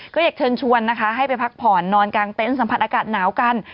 ก็อยากเชิญชวนนะคะให้ไปพักผ่อนนอนกลางเต็นต์สัมผัสอากาศหนาวกัน